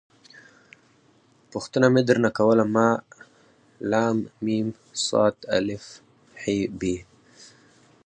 پوښتنه مې در نه کوله ما …ل …م ص … ا .. ح… ب.